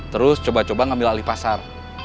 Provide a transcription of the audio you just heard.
terus coba coba ngambil alih pasar